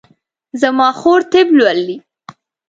زما خور طب لولي